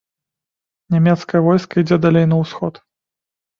Нямецкае войска ідзе далей на ўсход.